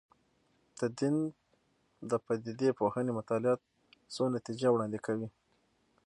د دین د پدیده پوهنې مطالعات څو نتیجې وړاندې کوي.